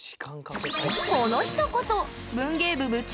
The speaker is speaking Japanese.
この人こそ文芸部部長！